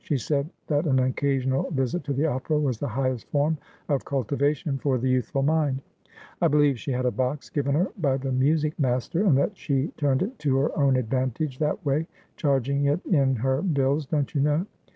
She said that an occasional visit to the opera was the highest form of cultivation for the youthful mind. I believe 'And Spending Silver had He right Ynow.'' 119 she had a box given her by the music master, and that she turned it to her own advantage that way — charging it in her bills, don't you know.